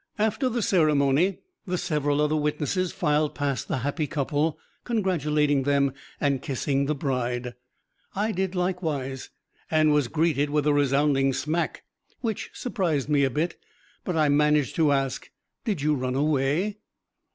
After the ceremony, the several other witnesses filed past the happy couple, congratulating them and kissing the bride. I did likewise, and was greeted with a resounding smack which surprised me a bit, but I managed to ask, "Did you run away?"